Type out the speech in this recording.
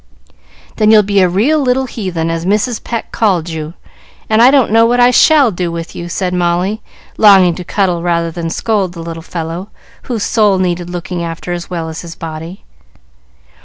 "Then you'll be a real little heathen, as Mrs. Pecq called you, and I don't know what I shall do with you," said Molly, longing to cuddle rather than scold the little fellow, whose soul needed looking after as well as his body.